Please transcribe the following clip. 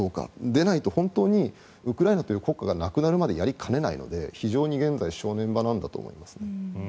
でないと本当にウクライナという国家がなくなるまでやりかねないので非常に現在正念場なんだと思います。